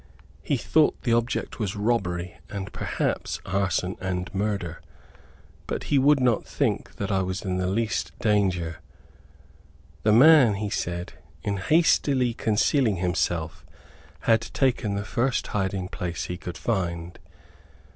He thought the object was robbery, and perhaps arson and murder, but he would not think that I was in the least danger. "The man," he said, "in hastily concealing himself had taken the first hiding place he could find."